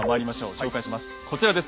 紹介します。